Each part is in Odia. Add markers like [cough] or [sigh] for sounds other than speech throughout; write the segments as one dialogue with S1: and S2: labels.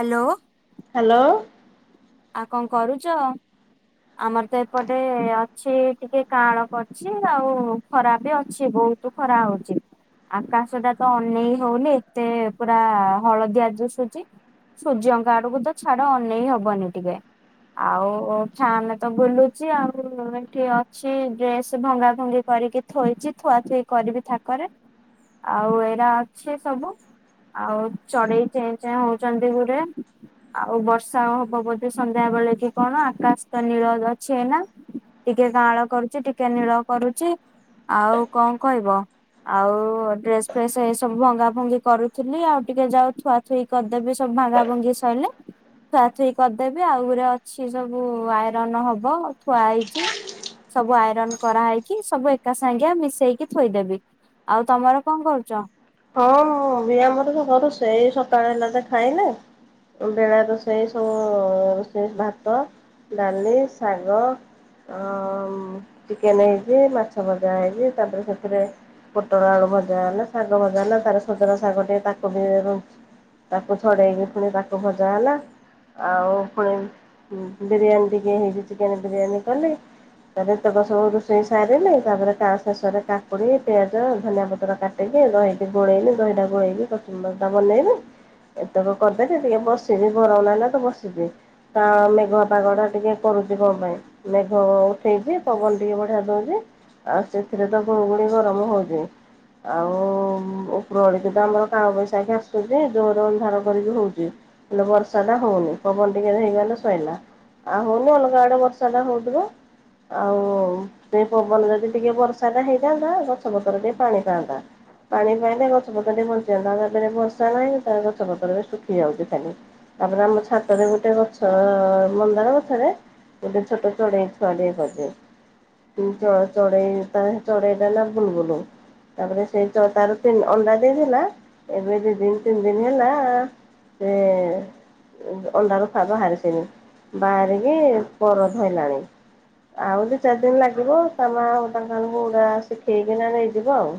S1: ହାଲୋ।
S2: ହାଲୋ।
S1: ଆ କଣ କରୁଛ? ଆମର ତ ଏପଟେ ଅଛି ଟିକେ କାଆଳ କରିଛି ଅଛି ଆଉ ଖରା ବି ଅଛି ବହୁତ। ତୁ ଖରା ହଉଚି। ଆକାଶ ଟା ତ ଅନେଇ ହଉନି ଏତେ ପୁରା ହଳଦିଆ ଦୁଶୁଛି। ସୂର୍ଯ୍ୟଙ୍କ ଆଡକୁ ତ ଛାଡ ଅନେଇ ହବନି ଟିକେ। ଆଉ ଫ୍ୟାନ ତ ବୁଲୁଚି ଆଉ ଏଠି ଅଛି ଡ୍ରେସ ଭଙ୍ଗା ଭଙ୍ଗି କରିକି ଥୋଇଛି ଥୁଆ ଥୁଇ କରିବି ଥାକରେ ଆଉ ଏରା ଅଛି ସବୁ ଆଉ ଚଢେଇ ଚେଚଁ ହଉଚନ୍ତି ପୁରେ ଆଉ ବର୍ଷା ହବ ବ ସନ୍ଧ୍ୟାବେଳେକି କଣ ଆକାଶତ ନୀଳ ଅଛି ଏଇନା। ଟିକେ କାଁଳ କରୁଚି ଟିକେ ନୀଳ କରୁଚି ଆଉ କଁ କଇଁବ। ଆଉ ଡ୍ରେସ୍ ଫ୍ରେସ୍ ଏଇ ସବୁ ଭଙ୍ଗା ଫଙ୍ଗି କରୁଥିଲି ଆଉ ଟିକେ ଯାଉ ଥୁଆ ଥୁଇ କରିଦେବି ସବୁ ଭାଙ୍ଗା ଭାଙ୍ଗି ସଇଲେ ଥୁଆଥୁଇ କରିଦେବି ଆଉ ଗୁରେ ଅଛି ସବୁ ଆଇରନ ହବ ଥୁଆ ହେଇଚି ସବୁ ଆଇରନ କରାହେଇକି ସବୁ ଏକା ସାଙ୍ଗିଆ ମିଶେଇକି ଥୋଇଦେବି। ଆଉ ତମର କଣ କରୁଚ?
S2: ହଁ ମୁଁ ବି ଆମର ରୋସେଇ ସକାଳେ ହେଲାଯେ ଖାଇଲେ ବେଳାରେ ରୋଷେଇ ସବୁ ରୋଷେଇ ଭାତ, ଡାଲି, ଶାଗ ଅମ୍ ଚିକେନ୍ ହେଇଚି ମାଛ ଭଜା ହେଇଚି ତାପରେ ସେଥିରେ ପୁଟଳ ଆଳୁ ଭଜା ହେଲା ଶାଗ ଭଜାହେଲା ତାର ସୁଜୁନା ଶାଗ ଟିକେ ତାକୁବି ରୁ ତାକୁ ଛଡ଼େଇକି ପୁଣି ତାକୁ ଭଜା ହେଲା। ଆଉ ପୁଣି ଉମ୍ ଉମ୍ ବିରିୟାନୀ ଟିକେ ହେଇଚି ଚିକେନ୍ ବିରିୟାନୀ କଲି ତାପରେ ଏତକ ସବୁ ରୋଷେଇ ସାରିଲି ତାପରେ ତା ଶେଷରେ କାକୁଡି଼ ପିଆଜ ଧନିଆ ପତ୍ର କାଟିକି ଟିଏ ଦହିଟେ ଗୋଳେଇଲି ଦହିଟା ଗୋଳେଇଲି କଚୁମ୍ବରଟା ବନେଇଲି ଏତକ କରିଦେଲି ଟିକେ ବସିବି ଗରମ୍ ଲାଗିଲାତ ବସିବି ହଁ ମେଘୁଆ ପାଗଟା ଟିକେ କରୁଚି କଁ ପାଇଁ ମେଘ ଅ ଉଠେଇଚି ପବନ ଟିକେ ବଢ଼ିଆ ଦଉଚି ଆଉ ସେଥିରେତ ଗୁଳୁଗୁଳି ଗରମ ହେଉଚି ଆଉ ଉପର ଅଳିକିତ ଆମର କାଳ ବୈଶାଖୀ ଆସୁଚି ଜୋରେ ଅନ୍ଧାର କରିକି ହଉଚି। ହେଲେ ବର୍ଷାଟା ହଉନି ପବନ ଟିକେ ହେଇଗଲେ ଶଇଲା ଆଉ ହଉନି ଅଲଗା ଆଡ଼େ ବର୍ଷାଟା ହଉଥିବ। ଆଉ ସେପବନ ଯଦି ଟିକିଏ ବର୍ଷାଟା ହେଇଥାନ୍ତା ଗଛପତ୍ର ଟିକେ ପାଣି ପାଆନ୍ତା। ପାଣି ପାଇଲେ ଗଛପତ୍ର ଟିକେ ବଞ୍ଚିଯାଆନ୍ତା ତାପରେ ବର୍ଷା ହେଲା ନାହିଁ ତାପରେ ଗଛପତ୍ରବି ଶୁଖି ଯାଉଚି ଖାଲି। ତାପରେ ଆମ ଛାତରେ ଗୋଟେ ଗଛ ମନ୍ଦାର ଗଛରେ ଗୋଟେ ଛୋଟ ଚଡ଼େଇ ଛୁଆଟେ କରିଚି। ତୁ ଚ ଚଢ଼େଇ ତା ଚଢେଇଟାନା ବୁଲୁ-ବୁଲୁ ତାପରେ ସେଇ ଚ ତାର ତିନ୍ ଅଣ୍ଡା ଦେଇଥିଲା ଏବେ ଦି ଦିନ୍ ତିନ୍ ଦିନ୍ ହେଲା ସେ ଉ ଅଣ୍ଡାରୁ ଫାଗ ବାହାରି ସେନି ବାହାରିକି ପର ଧଇଲାଣି ଆଉ ଦି ଚାରି ଦିନ୍ ଲାଗିବ ତା ମା ଆଉ ତା ତାଙ୍କୁ ଉଡ଼ା ଶିଖେଇକିନା ନେଇଯିବ ଆଉ।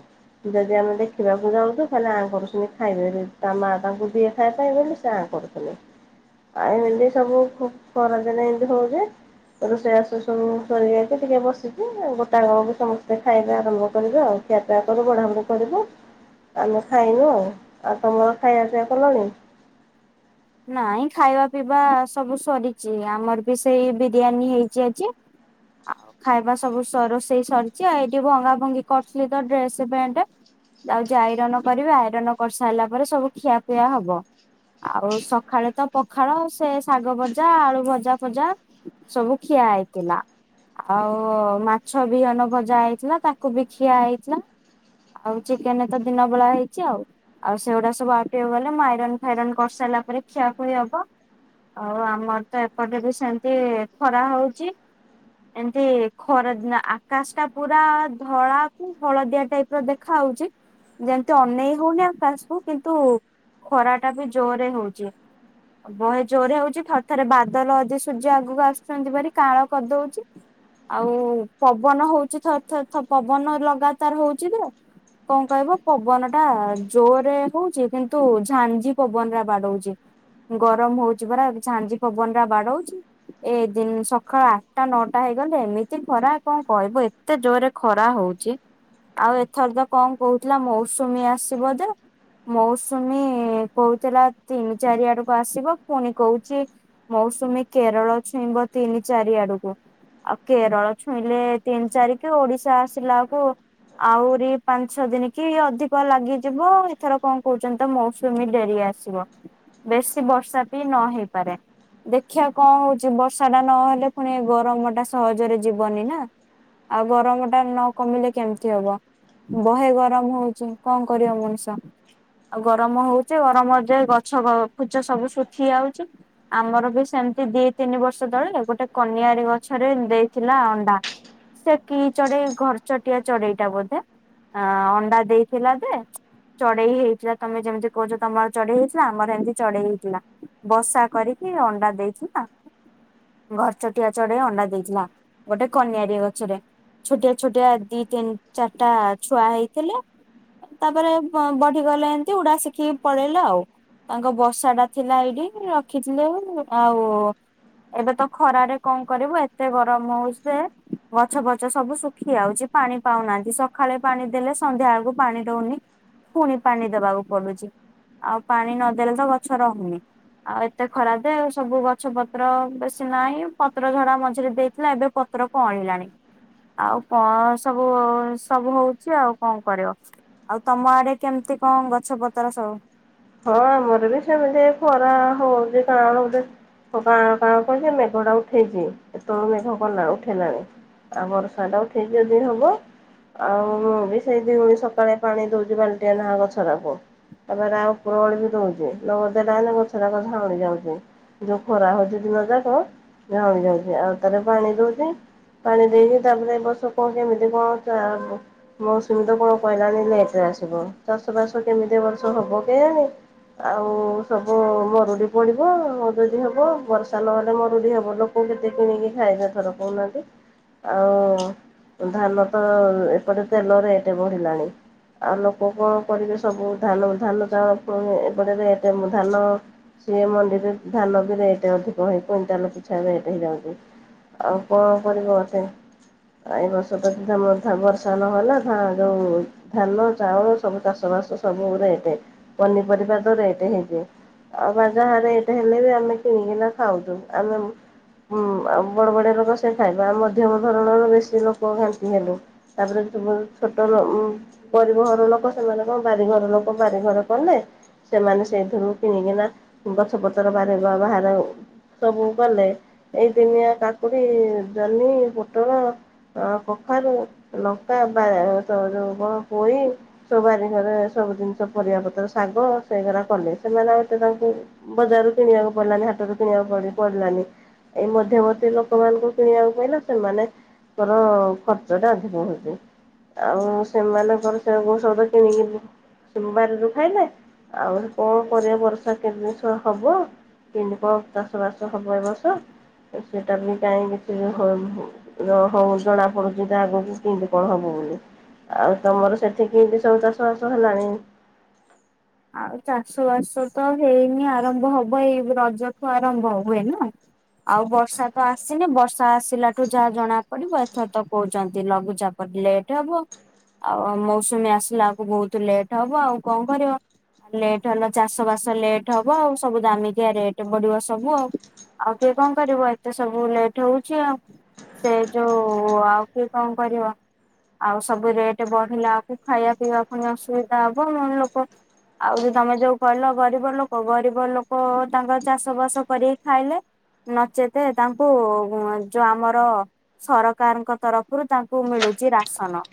S2: ଯଦି ଆମେ ଦେଖିବାକୁ ଯାଉଚୁ ଖାଲେ ଆଁ କରୁଚି ଖାଇବେ ତା ମା ତାଙ୍କୁ ଦିଏ ଖାଇବା ପାଇଁ ବୋଲି ସେ ଆଁ କରୁ ହାଲୋ ଆଁ ଏମିତି ସବୁ ଖ ଖରାଦିନେ ଏମିତି ହଉଚି ରୋଷେଇ ବାସ ସବୁ ସରିଯାଇଚି ଟିକେ ବସିଚି ଗୋଟାକ ବେଳକୁ ସମସ୍ତେ ଖାଇବା ଆରମ୍ଭ କରିବେ ଆଉ। ଖିଆପିଆ କରିବୁ ବଢ଼ାବଢ଼ି କରିବୁ ଆମେ ଖାଇବୁ ଆଉ-ଆଉ ତୁମର ଖାଇବା ପିଇବା କଲଣି?
S1: ନାଇଁ ଖାଇବା ପିଇବା ସବୁ ସରିଚି ଆମରବି ସେଇ ବିରିୟାନୀ ହେଇଚି ଆଜି ଆଉ ଖାଇବା ସବୁ ସର ରୋଷେଇ ସରିଚି ଆଉ ଏଇଠି ଭଙ୍ଗା ଭଙ୍ଗି କରଥିଲିତ ଡ୍ରେସ୍ ପ୍ୟାଣ୍ଟ ଯାଉଚି ଆଇରନ କରିବି ଆଇରନ କରିସାରିଲା ପରେ ସବୁ ଖିଆପିଆ ହବ ଆଉସ୍ ସଖାଳେତ ପଖାଳ ସେ ଶାଗ ଭଜା ଆଳୁ ଭଜା ଫଜା ସବୁ ଖିଆ ହେଇଥିଲା। ଆଉ ମାଛବି ବିହନଭଜା ହେଇଥିଲା ତାକୁବି ଖିଆ ହେଇଥିଲା। ଆଉ ଚିକେନ୍ ତ ଦିନ ବେଳା ହେଇଛି ଆଉ। ଆଉ ସେଉଡ଼ା ସବୁ ହଟିବ ମାନେ ମୁଁ ଆଇରନ୍ ଫାଇରନ୍ କରିସାରିଲା ପରେ ଖିଆଖୁଇ ହବ ଆଉ ଆମର ତ ଏପଟେ ବି ସେମିତି ଖରା ହଉଛି। ଏମତି ଖରାଦିନ ଆକାଶ ଟା ପୁରା ଧଳାକୁ ହଳଦିଆ ଟାଇପ୍ ର ଦେଖା ଆଉଛି। ଯେମିତି ଅନେଇ ହଉନି ଆକାଶକୁୁ କିନ୍ତୁ ଖରା ଟା ବି ଜୋରେ ହଉଛି। ଅ ବହେ ଜୋରେ ହଉଛି ଥରେ ଥରେ ବାଦଲ ଅଦି ସୂର୍ଯ୍ୟ ଆଗକୁ ଆସୁଛନ୍ତି ଭାରି କାଁଳ କରିଦଉଛି। ଆଉ ପବନ ହଉଛି ଥର୍ ଥର୍ ଥ ପବନ ଲଗାତାର ହଉଛି ଯେ କଣ କହିବ ପବନ ଟା ଜୋରରେ ହୋଉଛି କିନ୍ତୁ ଝାଞ୍ଜି ପବନ ରା ବାଡ଼ଉଛି। ଗରମ ହଉଛି ପରା ବି ଝାଞ୍ଜି ପବନ ରା ବାଡ଼ଉଛି। ଏ ଦିନ ସକାଳ ଆଠଟା ନଅଟା ହେଇଗଲେ ଏମିତି ଖରା କଣ କହିବ ଏ ତେ ଜୋରେ ଖରା ହୋଉଛି। ଆଉ ଏଥର ତ କଣ କହୁଥିଲା ମୌସୁମୀ ଆସିବ ଯେ ମୌସୁମୀ କହୁଥିଲା ତିନି ଚାରି ଆଡ଼କୁ ଆସିବ ପୁଣି କହୁଛି ମୌସୁମୀ କେରଳ ଛୁଇଁବ ତିନି ଚାରି ଆଡ଼କୁ। ଆଉ କେରଳ ଛୁଇଁଲେ ତିନି ଚାରିିକୁ ଓଡ଼ିଶା ଆସିଲା ଓଳୁକୁ ଆହୁରି ପାଞ୍ଚ ଛଅ ଦିନ କି ଅଧିକ ଲାଗିଯିବ ଏଥର କଣ କହୁଛନ୍ତି ତ ମୌସୁମୀ ଡେରି ଆସ୍ ସିବ ବେଶୀ ବର୍ଷା ବି ନ ହେଇପାରେ। ଦେଖିବା କଁ ହଉଛି ବର୍ଷା ଟା ନହେଲେ ପୁଣି ଏ ଗରମ ଟା ସହଜରେ ଯିବନି ନା। ଆଉ ଗରମ ଟା ନ କମିଲେ କେମିତି ହବ। ବହେ ଗରମ ହୋଉଚି କଣ କରିବ ମଣିଷ। ଆଉ ଗରମ ହୋଉଚି ଗରମ ଯେ ଗଛ ଫୁଛ ସବୁ ଶୁଖି ଆଉଚି। ଆମର ବି ସେମିତି ଦି ତିନି ବର୍ଷ ତଳେ ଗୋଟେ କନିଆରି ଗଛରେ ଦେଇଥିଲା ଅଣ୍ଡା। ସେ କି ଚଢ଼େଇ ଘରଚଟିଆ ଚଢ଼େଇ ଟା ବୋଧେ ଆଁ ଅଣ୍ଡା ଦେଇଥିଲା ଦେ ଚଢ଼େଇ ହେଇଥିଲା ତମେ ଯେମିତି କହୁଚ ତମର ଚଢ଼େଇ ହେଇଥିଲା ଆମର ହେମିତି ଚଢ଼େଇ ହେଇଥିଲା ବସା କରିକି ଅଣ୍ଡା ଦେଇଥିଲା। ଘରଚଟିଆ ଚଢ଼େଇ ଅଣ୍ଡା ଦେଇଥିଲା ଗୋଟେ କନ୍ୟାରି ଗଛରେ। ଛୋଟିଆ ଛୋଟିଆ ଦି ତିନି ଚାରିଟା ଛୁଆ ହେଇଥିଲେ। ତାପରେ ବ-ବଢ଼ି ଗଲେ ଏମିତି ଉଡ଼ା ଶିଖିକି ପଳେଇଲେ ଆଉ ତାଙ୍କ ବ ସା ଟା ଥିଲା ଏଇଠି ରଖିଥିଲୁ ଆଉ ଏବେ ତ ଖରାରେ କଣ କରିବୁ ଏତେ ଗରମ ହଉଛି ଯେ ଗଛ ଫଛ ସବୁ ସୁ ଖି ଆଉଛି ପାଣି ପାଉନାହାନ୍ତି ସଖାଳେ ପାଣି ଦେଲେ ସନ୍ଧ୍ୟା ଆଳକୁ ପାଣି ଦୋଉନି। ଫୁଣି ପାଣି ଦବାକୁ ପଡ଼ୁଛି ଆଉ ପାଣି ନଦେଲେ ତ ଗଛ ରହୁନି। ଆଉ ଏତେ ଖରା ଦେ ଆଉ ସବୁ ଗଛ ପତ୍ର ବେଶୀ ନାହିଁ ପତ୍ର ଝଡ଼ ମଝିରେ ଦେଇଥିଲା ଏବେ ପତ୍ର କଅଁଳୀ ଲାଣି। ଆଉ କଣ ସବୁ ସବୁ ହୋଉଚି ଆଉ କଣ କରିବ। ଆଉ ତମ ଆଡ଼େ କେମିତି କଣ ଗଛ ପତର ସବୁ?
S2: ହଁ ଆମର ବି ସେମିତି ଖରା ହୋଉଚି କାଆଁଳଉଚି। କାଁଳ କାଁଳ କରିଚି ମେଘ ଟା ଉଠେଇଚି ଏତେବେଳୁ ମେଘ କଲା ଉଠେଇଲାଣି। ଆ ବର୍ଷା ଟା ଉଠେଇଚି ଯଦି ହବ। ଆଉ ମୁଁ ବି ସେଇ ଦି ଓଳି ସକାଳେ ପାଣି ଦୋଉଚି ବାଲ୍ଟିଏ ନାଖା ଗଛରାକୁ ତାପରେ ଆଉ ଓପର ଓଳି ବି ଦୋଉଚି ନ ଦେଲା ମାନେ ଗଛରାକ ଝାଉଁଳି ଯାଉଛି। ଯୋଉ ଖରା ହୋଉଚି ଦିନ ଯାକ ଝାଉଁଳି ଯାଉଚି ଆଉ ଥରେ ପାଣି ଦୋଉଚି। ପାଣି ଦେଇକି ତାପରେ ଏ ବର୍ସ କଣ କେମିତି କଣ ଚା ବ ମୌସୁମୀ ତ କଣ କହିଲାଣି ଲେଟରେ ଆସିବ ଚାଷ ବାସ କେମିତି ଏ ବର୍ଷ ହବ କେଆଣି। ଆଉ ସବୁ ମରୁଡି ପଡିବ, ଯଦି ହବ ବର୍ଷା ନହେଲେ ମରୁଡି ହବ, ଲୋକ [unintelligible] କିଣିକି ଖାଇବେ ଏଥର କହୁ ନାହାଁନ୍ତି? ଆଉ ଧାନ ତ, ଏପଟେ ତେଲ ରେଟ ବଢିଲାଣି। ଆଉ ଲୋକ କଣ କରିବେ ସବୁ, ଧାନ କୁ ଧାନ ଚାଉଳ ଫୁଣି ଏପଟେ ରେଟ। ଧାନ ସିଏ ମଣ୍ଡିରେ ଧାନ ବି ରେଟ୍ ଅଧିକ ହେଇ କୁଇଣ୍ଟାଲ ପିଛା ରେଟ ହେଇଯାଉଚି। ଆଉ କଣ କରିବ ଏତେ। ଆ ଏଇ ବର୍ଷ ତ ଧାମ ଭାଗ ଧାନ ନହେଲା ଧାଁ ଯୋଉ [unintelligible] ଧାନ, ଚାଉଳ, ସବୁ ଚାଷ ବାସ ସବୁ ରେଟ। ପନିପରିବା ତ ରେଟ ହେଇଯାଇଚି। ଆଉ ବାଜା ରେଟ ହେଲେବି ଆମେ କିଣିକିନା ଖାଉଚୁ। ଆମେ ହୁଁ, ଆଉ ବଡ ବଡିଆ ଲୋକ ସେ ଖାଇଵେ। ଆ ମଧ୍ୟମ ଧରଣର ବେଶୀ ଲୋକ ଘାଣ୍ଟି ହେଲୁ। ତାପରେ ଛୋଟ ଲୋ ଗରିବ ଘର ଲୋକ ସେମାନେ କଣ ବାରିଘର ଲୋକ, ବାରିଘର କଲେ। ସେମାନେ ସେଇଥିରୁ କିଣିକିନା ଗଛ ପତ୍ର ବାହାରୁ ବାହାର ସବୁ କଲେ। ଏଇ ଦିନିଆ କାକୁଡି, ଜହ୍ନି ପୋଟଳ, କଖାରୁ, ଲଙ୍କା, ଵା ଯୋଉ କଣ ପୋଇ ସବୁ ବାରି ଘରେ ସବୁ ଜିନିଷ ପରିବା ପତ୍ର ଶାଗ ସେଇ ହେରା କଲେ। ସେମାନେ ଏତେ ତାଙ୍କୁ ବଜାର ରୁ କିଣିବାକୁ ପଡିଲାନି, ହାତରୁ କିଣିବାକୁ ପଡିଲାନି। ଏଇ ମଧ୍ୟବର୍ତ୍ତୀ ଲୋକମାନଙ୍କୁ କିଣିବାକୁ ପଇଲା। ସେମାନେ ଙ୍କର ଖର୍ଚ୍ଚ ଟା ଅଧିକ ହଉଚି। ଆଉ ସେମାନଙ୍କର ସେ [unintelligible] କିଣିକି ଵାରୀରୁ ଖାଇଲେ। ଆହୁରି କଣ କରିବା ବର୍ଷା କେବେ ସ ହବ। କେମିନ୍ତି କଣ ଚାଷ ବାଷ ହବ ଏ ବର୍ଷ। ସେଟା ବି କାଇଁ କିଛି ହଁ ହୁଁ ନ ହୋଉ ଜଣା ପଡୁଚି ତ ଆଗକୁ, କିନ୍ତି କଣ ହବ ବୋଲି ଆଉ ତମର ସେଠି କିନ୍ତି ସବୁ ଚାଷ ବାସ ହେଲାଣି?
S1: ଆଉ ଚାଷ ବାସ ତ ହେଇନି ଆରମ୍ଭ ହବ, ଏଇ ରଜଠୁ ଆରମ୍ଭ ହୁଏ ନୁହଁ। ଆଉ ବର୍ଷା ତ ଆସିନି, ବର୍ଷା ଆସିଲାଠୁ ଯାହା ଜଣା ପଡିବ ଏଥର ତ କହୁଛନ୍ତି ଲଘୁଚାପ ଲେଟ ହବ, ଆଉ ମୌସୁମୀ ଆସିଲା ବେଳକୁ ବହୁତ ଲେଟ ହବ। ଆଉ କଣ କରିବ ଆ ଲେଟ୍ ହେଲେ ଚାଷ ବାସ ଲେଟ୍ ହବ ଆଉ, ସବୁ ଦାମିକିଆ ରେଟ୍ ବଢିବ ସବୁ ଆଉ। ଆଉ କିଏ କଣ କରିବ। ଏତେ ସବୁ ଲେଟ୍ ହଉଛି ଆଉ। ସେ ଯୋଉ ଆଉ କିଏ କଣ କରିବ। ଆଉ ସବୁ ରେଟ୍ ବଢିଲା ଆକୁ ଖାଇବା ପିଇବା ପୁଣି ଅସୁବିଧା ହବ। ମ ଲୋକ ଆଉରି ତମେ ଯୋଉ କହିଲ ଗରିବ ଲୋକ, ଗରିବ ଲୋକ ତାଙ୍କର ଚାଷ ବାସ କରିକି ଖାଇଲେ। ନଚେତେ ତାଙ୍କୁ ଯୋଉ ଆମର ସରକାରଙ୍କ ତରଫରୁ ତାଙ୍କୁ ମିଳୁଛି ରାସନ।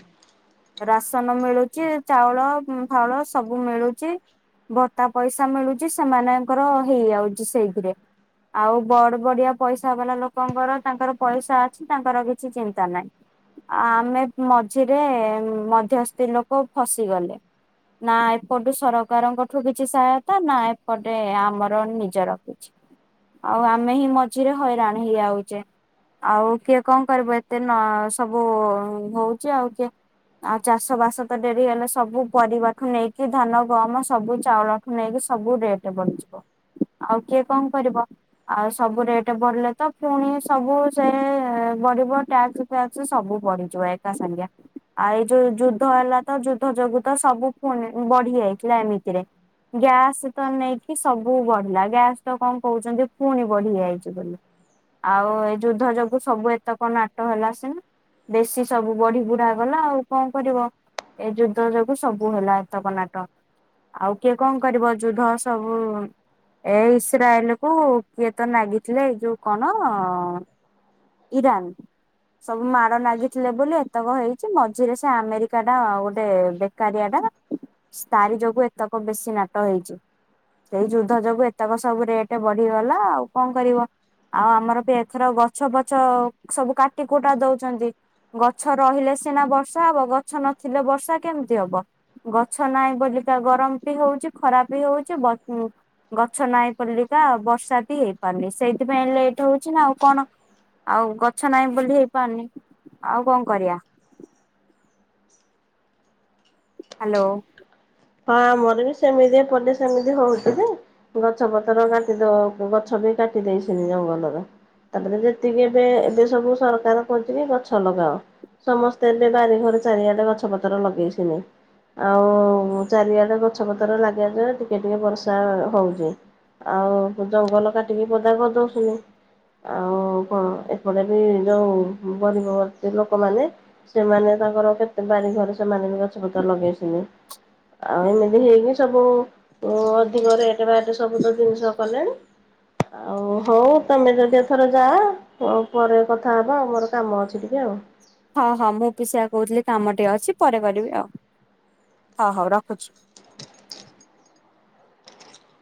S1: ରାସନ ମିଳୁଛି, ଚାଉଳ ଫାଉଳ ସବୁ ମିଳୁଛି ଭତ୍ତା ପଇସା ମିଳୁଛି, ସେମାନଙ୍କର ହେଇଯାଉଛି ସେଇଥିରେ ଆଉ ବଡ ବଡିଆ ପଇସା ବାଲା ଲୋକଙ୍କର ତାଙ୍କର ପଇସା ଅଛି, ତାଙ୍କର କିଛି ଚିନ୍ତା ନାହିଁ। ଆମେ ମଝିରେ ମଧ୍ୟସ୍ଥି ଲୋକ ଫସିଗଲେ। ନା ଏପୁଟୁ ସରକାରଙ୍କଠୁ କିଛି ସହାୟତା। ନା ଏପଟେ ଆମର ନିଜର କିଛି ଆଉ ଆମେ ହିଁ ମଝିରେ ହଇରାଣ ହେଇଯାଉଛେ। ଆଉ କିଏ କଣ କରିବ। ଏତେ ନ ସବୁ ହଉଛି, ଆଉ କିଏ ଆଉ ଚାଷ ବାସ ତ ଡେରି ହେଲେ, ସବୁ ପରିବାଠୁ ନେଇକି ଧାନ ହ ଆମ ସବୁ ଚାଉଳଠୁ ନେଇକି ସବୁ ରେଟ ବଢିଯିବ। ଆଉ କିଏ କଣ କରିବ। ଆଉ ସବୁ ରେଟ୍ ବଢିଲେ ତ, ପୁଣି ସବୁ ସେ ବଢିବ ଟ୍ୟାକ୍ସ ଆ ସବୁ ବଢିଯିବ, ଏକା ସାଙ୍ଗା। ଆଉ ଏଇ ଯୋଉ ଯୁଦ୍ଧ ହେଲା ତ ଯୁଦ୍ଧ ଯୋଗୁ ତ ସବୁୁ ଫୁଣି ବଢିଯାଇଥିଲା ଏମିତିରେ ଗ୍ୟାସ୍ ତ ନେଇକି ସବୁ ବଢିଲା ଗ୍ୟାସ ତ କଣ କହୁଛନ୍ତି ପୁଣି ବଢି ଯାଇଛି ବୋଲି ଆଉ ଏ ଯୁଦ୍ଧ ଯୋଗୁ ସବୁ ଏତେ କ ନାଟ ହେଲା ସିନା। ଦେଶୀ ସବୁ ବଢି ବୁଢା ଗଲା ଆଉ କଣ କରିବ। ଏ ଯୁଦ୍ଧ ଯୋଗୁ ସବୁ ହେଲା ଏତକ ନାଟ। ଆଉ କିଏ କଣ କରିବ ଯୁଦ୍ଧ ସବୁ ଏ ଇସ୍ରାଏଲ କୁ କିଏ ତ ନାଗିଥିଲେ ଏଇ ଯୋଉ କଣ ଇରାନ୍ ସବୁ ମାଡ଼ ନାଗିଥିଲେ ବୋଲି ଏତକ ହେଇଛି ମଝିରେ ସେ ଆମେରିକା ଟା ଗୋଟେ ବେକାରିଆ ଟା। ତାରି ଯୋଗୁ ଏତକ ବେଶୀ ନାଟ ହେଇଛି। ସେଇ ଯୁଦ୍ଧ ଯୋଗୁ ଏତକ ସବୁ ରେଟ ବଢିଗଲା ଆଉ କଣ କରିବ। ଆଉ ଆମର ବି ଏଥର ଗଛ ଫଛ ସବୁ କାଟି କୁଟା ଦଉଛନ୍ତି। ଗଛ ରହିଲେ ସିନା ବର୍ଷା ହବ ଗଛ ନଥିଲେ ବର୍ଷା କେମିତି ହବ ଗଛ ନାହିଁ ବୋଲିପା ଗରମ ବି ହଉଛି ଖରାପ ବି ହଉଛି ବ ଉ ଗଛ ନାହିଁ ବୋଳିକା ବର୍ଷା ବି ହେଇପାରନି ସେଇଥିପାଇଁ ଲେଟ ହଉଛି ନା ଆଉ କଣ। ଆଉ ଗଛ ନାହିଁ ବୋଲି ହେଇପାରୁନି ଆଉ କଣ କରିବା। ହ୍ୟାଲୋ।
S2: ହଁ ଆମର ବି ସେମିତି ଏପଟେ ସେମିତି ହଉଛି ଯେ ଗଛ ପତ୍ର କାଟିଦଉ ଗଛ ବି କାଟି ଦେଇେସିନି ଜଙ୍ଗଲର ତାପ ଯେତିକି ଏବେ ଏବେ ସବୁ ସରକାର କହୁଛନ୍ତି ଗଛ ଲଗାଅ ସମସ୍ତେ ଏବେ ବାରିଘରେ ଚାରିଆଡେ ଗଛ ପତ୍ର ଲଗେଇସିନି ଆଉ ଚାରିଆଡେ ଗଛ ପତର ଲାଗି ଟିକେ ଟିକେ ବର୍ଷା ହଉଚି ଆଉ ଜଙ୍ଗଲ କାଟିକି ପଦା କରିଦଉଚୁନି ଆଉ କଣ ଏପଟେ ବି ଯୋଉ ଗରିବ ଲୋକମାନେ ସେମାନେ ତାଙ୍କର କେତେ ବାରିଘରେ ସେମାନେ ବି ଗଛ ପତ୍ର ଲଗେଇସିନି। ଆଉ ଏମିତି ହେଇକି ସବୁ ଅଧିକ ରେଟ୍ ବାଟ ସବୁ ତ ଜିନିଷ କଲେଣି ଆଉ ହଉ ତମେ ଯଦି ଏଥର ଯାଅ ଆଉ ପରେ କଥା ହବା ଆଉ ମୋର କାମ ଅଛି ଟିକେ ଆଉ।
S1: ହଁ ହଁ ମୁଁ ପି ସେଆ କହୁଥିଲି କାମ ଟିକେ ଅଛି ପରେ କରିବି ଆଉ ହଁ ହଉ ରଖୁଛି।